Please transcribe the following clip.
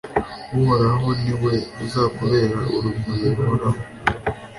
uhoraho ni we uzakubera urumuri ruhoraho,